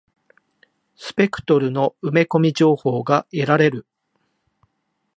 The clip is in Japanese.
スペクトルの埋め込み情報が得られる。